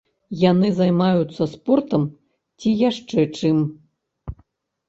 Яны займаюцца спортам ці яшчэ чым.